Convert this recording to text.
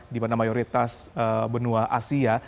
di mana mayoritas benua asia